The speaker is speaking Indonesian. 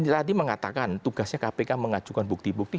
tadi mengatakan tugasnya kpk mengajukan bukti bukti